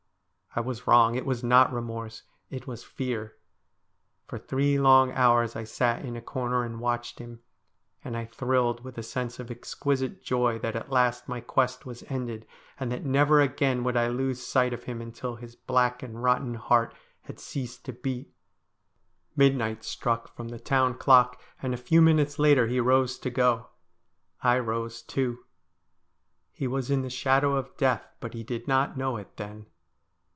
I was wrong ; it was not remorse : it was fear. For three long hours I sat in a corner and watched him ; and I thrilled with a sense of exquisite joy that at last my quest was ended, and that never again would I lose sight of him until his black and rotten heart had ceased to beat. Midnight struck from the town clock, and a few minutes later he rose to go. I rose too. He was in the shadow of death, but he did not know it then.